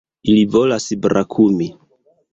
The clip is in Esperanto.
Ili volas brakumi!